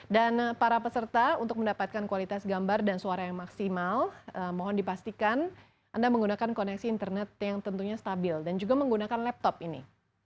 dan para peserta untuk mendapatkan kualitas gambar dan suara yang maksimal mohon dipastikan anda menggunakan koneksi internet yang tentunya stabil dan juga menggunakan laptop ini